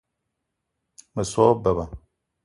Me so wa beba